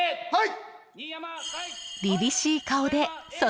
はい！